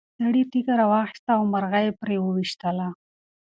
سړي تیږه راواخیسته او مرغۍ یې پرې وویشتله.